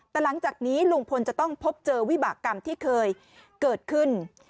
แต่หลังจากนี้ลุงพลจะต้องพบเจอวิบากรรมที่เคยเกิดขึ้น